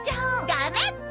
ダメって。